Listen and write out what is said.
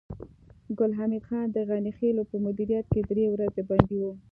ګل حمید خان د غني خېلو په مدیریت کې درې ورځې بندي و